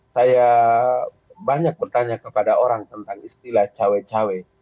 saya banyak bertanya kepada orang tentang istilah cawe cawe